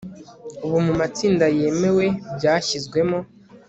ubu mumatsinda yemewe byashyizwemo